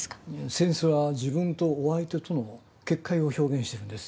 扇子は自分とお相手との結界を表現してるんです。